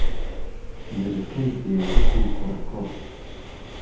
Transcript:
نرکەی دێ وهکوو کوڕکوڕ